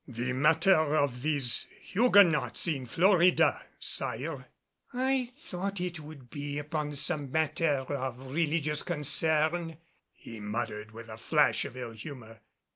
"The matter of these Huguenots in Florida, Sire." "I thought it would be upon some matter of religious concern," he muttered with a flash of ill humor.